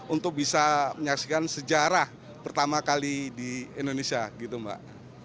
untuk bisa menyaksikan sejarah pertama kali di indonesia gitu mbak